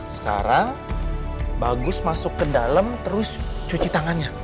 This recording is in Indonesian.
sekarang bagus masuk ke dalam terus cuci tangannya